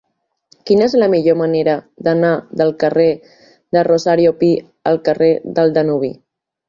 Quina és la millor manera d'anar del carrer de Rosario Pi al carrer del Danubi?